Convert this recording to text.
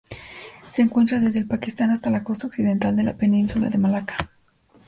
Se encuentra desde el Pakistán hasta la costa occidental de la Península de Malaca.